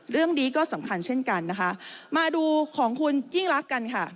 เรื่องนี้ก็สำคัญเช่นกันนะคะมาดูของคุณยิ่งรักกันค่ะ